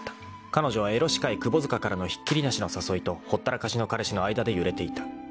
［彼女はエロ歯科医窪塚からのひっきりなしの誘いとほったらかしの彼氏の間で揺れていた］